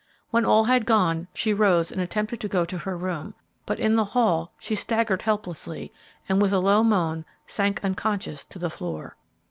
When all had gone, she rose and attempted to go to her room, but in the hall she staggered helplessly and, with a low moan, sank unconscious to the floor.